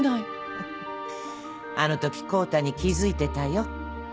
フフッあの時康太に気づいてたよ。